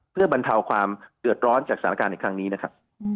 เพื่อบรรเทาความเดือดร้อนจากสถานการณ์ในครั้งนี้นะครับ